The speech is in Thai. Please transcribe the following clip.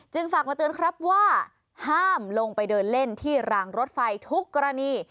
ฝากมาเตือนครับว่าห้ามลงไปเดินเล่นที่รางรถไฟทุกกรณี